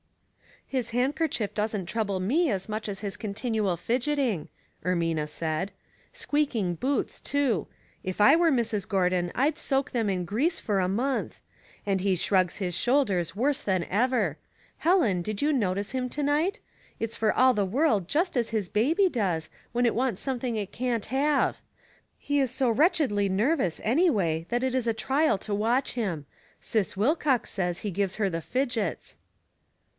"His handkerchief doesn't trouble me as much as his continual fidgeting," Ermina said. " Squeaking boots, too. If I were Mrs. Gordon I'd soak them in grease for a month ; and he shrugs his shoulders worse than ever. Helen, did you notice him to night? It's for all the world just as his baby does, when it wants something it can't have." '' He is so wretchedly nervous, anyway, that it is a trial to watch him. Sis Wilcox says he gives her the fidgets."